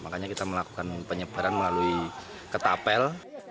makanya kita melakukan penyebaran melalui ketapel